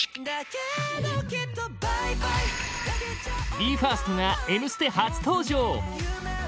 ＢＥ：ＦＩＲＳＴが「Ｍステ」初登場！